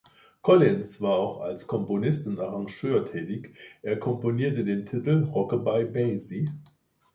Collins war auch als Komponist und Arrangeur tätig; er komponierte den Titel „Rock-A-Bye Basie“.